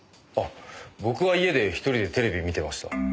僕は家で１人でテレビ見てました。